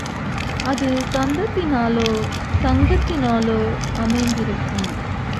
அது தந்தத்தினாலோ, தங்கத்தினாலோ அமைந்திருக்கும்.